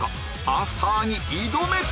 アフターに挑め！